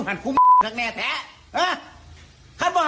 หลงหลักด้วย